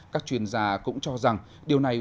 các chuyên gia cũng cho rằng điều này